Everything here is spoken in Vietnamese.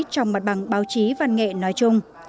trong mặt bằng báo chí văn nghệ nói chung